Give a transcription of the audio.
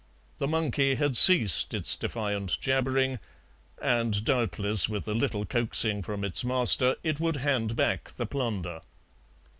The monkey had ceased its defiant jabbering, and doubtless with a little coaxing from its master it would hand back the plunder.